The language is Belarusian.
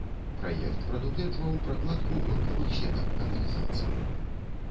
Праект прадугледжваў пракладку вонкавых сетак каналізацыі.